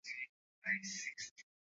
asilimia mbili nchini Rwanda tatu